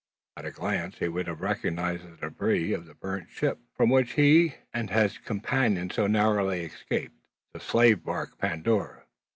At a glance he would have recognised the debris of the burnt ship, from which he and his companion had so narrowly escaped, the slave bark Pandora.